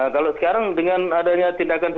kalau sekarang dengan adanya tindakan